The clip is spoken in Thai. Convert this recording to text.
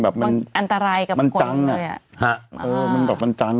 มันอันตรายกับมันจังอ่ะฮะเออมันแบบมันจัง